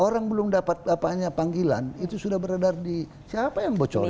orang belum dapat apa apa panggilan itu sudah beredar di siapa yang bocorin